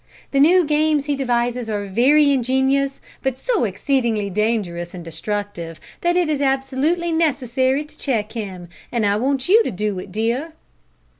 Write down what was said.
The new games he devises are very ingenious, but so exceedingly dangerous and destructive that it is absolutely necessary to check him, and I want you to do it, dear."